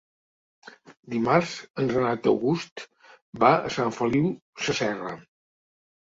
Dimarts en Renat August va a Sant Feliu Sasserra.